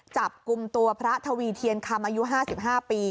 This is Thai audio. จับกลุ่มตัวพระทวีเทียนคำอายุ๕๕ปี